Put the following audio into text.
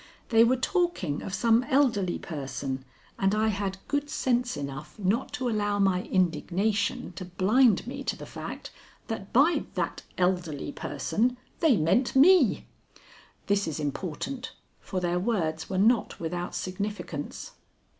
They were talking of some elderly person, and I had good sense enough not to allow my indignation to blind me to the fact that by that elderly person they meant me. This is important, for their words were not without significance.